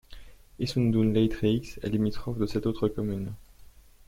Issoudun-Létrieix est limitrophe de sept autres communes.